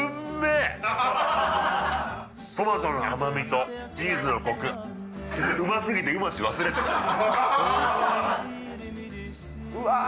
トマトの甘みとチーズのコクうますぎて「うまし」忘れてたうわ